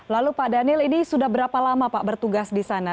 lalu pak daniel ini sudah berapa lama pak bertugas di sana